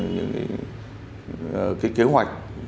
những kế hoạch